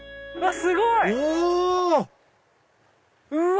すごい！お！